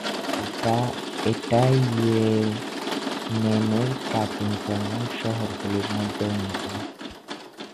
এটা ইয়েমেনের প্রাচীনতম শহরগুলির মধ্যে অন্যতম।